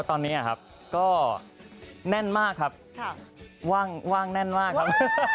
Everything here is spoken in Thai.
ตอนนี้ครับก็แน่นมากครับว่างแน่นมากครับ